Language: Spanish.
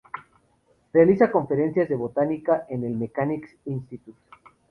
Realiza conferencias de botánica en el Mechanics' Institute.